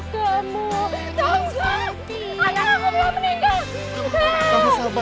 kamu gak apa apa